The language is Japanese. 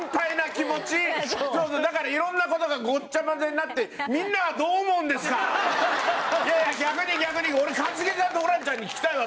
だから色んな事がごちゃ混ぜになっていやいや逆に逆に俺一茂さんとホランちゃんに聞きたいわ。